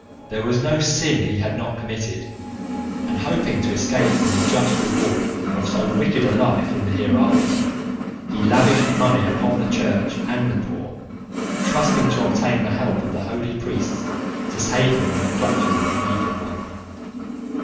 There was no sin he had not committed, and hoping to escape from the just reward of so wicked a life, in the hereafter, he lavished money upon the Church and the poor, trusting to obtain the help of the holy priests to save him from the clutches of the Evil One.